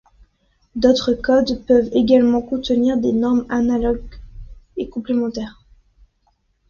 D’autres codes peuvent également contenir des normes analogues et complémentaires.